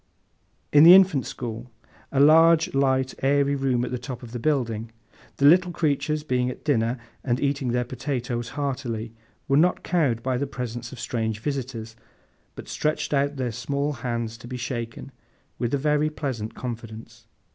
In the Infant School—a large, light, airy room at the top of the building—the little creatures, being at dinner, and eating their potatoes heartily, were not cowed by the presence of strange visitors, but stretched out their small hands to be shaken, with a very pleasant confidence.